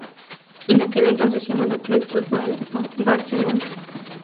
En aquel entonces llamado Club Football of Barcelona.